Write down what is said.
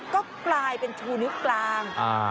ก็กลายเป็นชูนิ้วกลาง